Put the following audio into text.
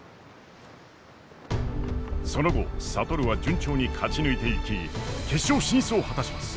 その後智は順調に勝ち抜いていき決勝進出を果たします。